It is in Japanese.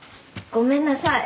ごめんなさい。